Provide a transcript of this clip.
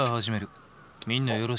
みんなよろしく。